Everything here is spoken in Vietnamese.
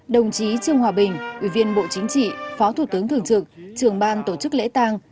đồng chí trương hòa bình ủy viên bộ chính trị phó thủ tướng thường trực trường ban tổ chức lễ tàng